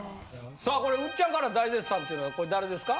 さあこれウッチャンから大絶賛っていうのは誰ですか？